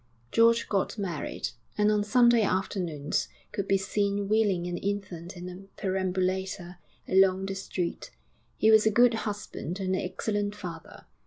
George got married, and on Sunday afternoons could be seen wheeling an infant in a perambulator along the street. He was a good husband and an excellent father.